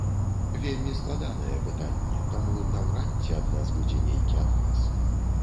Вельмі складанае пытанне, таму наўрад ці ад нас будзе нейкі адказ.